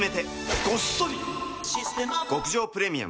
極上プレミアム